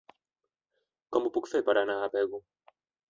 Com ho puc fer per anar a Pego?